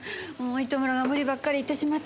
糸村が無理ばっかり言ってしまって。